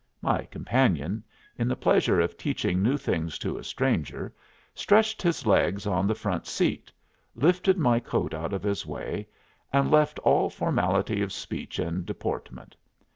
My companion, in the pleasure of teaching new things to a stranger, stretched his legs on the front seat, lifted my coat out of his way, and left all formality of speech and deportment.